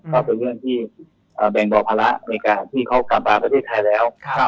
ก็เป็นเรื่องที่แบ่งเบาภาระในการที่เขากลับมาประเทศไทยแล้ว